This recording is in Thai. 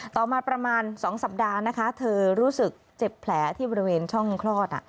ต่อมาประมาณ๒สัปดาห์นะคะเธอรู้สึกเจ็บแผลที่บริเวณช่องคลอด